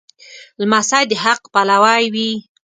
لمسی د حق پلوی وي.